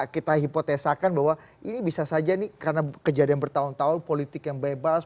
kita hipotesakan bahwa ini bisa saja ini karena kejadian bertahun tahun politik yang bebas